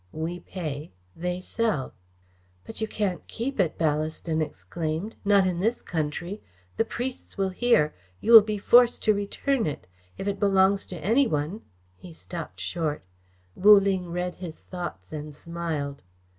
We pay. They sell." "But you can't keep it," Ballaston exclaimed, "not in this country. The priests will hear. You will be forced to return it. If it belongs to any one " He stopped short. Wu Ling read his thoughts and smiled.